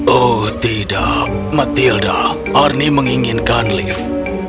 oh tidak matilda arni menginginkan lift